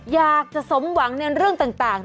อยากจะสมหวังในเรื่องต่าง